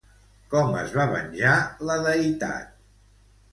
Com es va venjar, la deïtat?